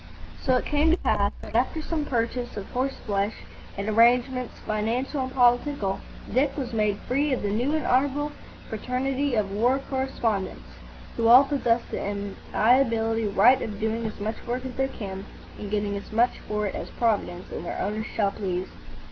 So it came to pass that, after some purchase of horse flesh and arrangements financial and political, Dick was made free of the New and Honourable Fraternity of war correspondents, who all possess the inalienable right of doing as much work as they can and getting as much for it as Providence and their owners shall please.